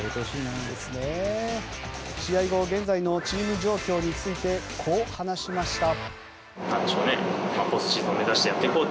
試合後、現在のチーム状況についてこう話しました。